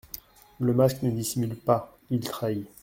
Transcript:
Le masque ne dissimule pas, il trahit.